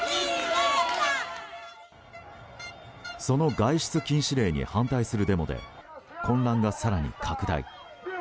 その外出禁止令に反対するデモで混乱が更に拡大。